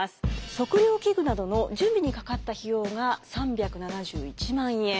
測量器具などの準備にかかった費用が３７１万円。